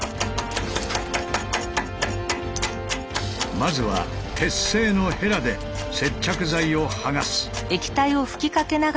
まずは鉄製のヘラで接着剤を剥がす。